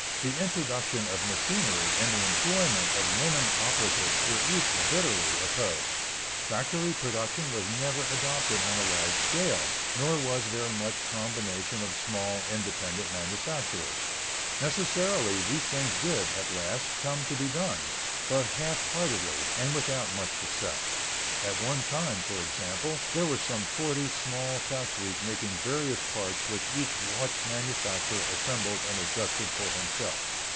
The introduction of machinery and the employment of women operatives were each bitterly opposed. Factory production was never adopted on a large scale, nor was there much combination of small independent manufacturers. Necessarily, these things did, at last, come to be done; but half heartedly, and without much success. At one time, for example, there were some forty small factories making various parts which each watch manufacturer assembled and adjusted for himself.